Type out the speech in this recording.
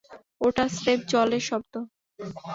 ওটা স্রেফ জলের শব্দ।